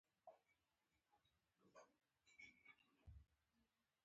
دوستي باید امنیت ټینګ کړي.